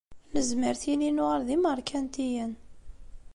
Nezmer tili nuɣal d imeṛkantiyen.